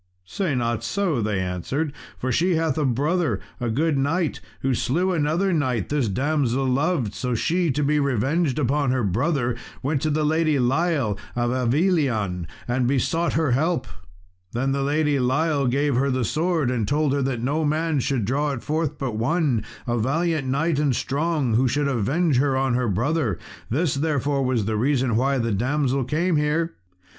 "Say not so," they answered, "for she hath a brother a good knight, who slew another knight this damsel loved; so she, to be revenged upon her brother, went to the Lady Lile, of Avilion, and besought her help. Then Lady Lile gave her the sword, and told her that no man should draw it forth but one, a valiant knight and strong, who should avenge her on her brother. This, therefore, was the reason why the damsel came here."